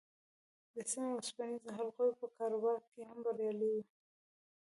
د سيمونو او اوسپنيزو حلقو په کاروبار کې هم بريالی و.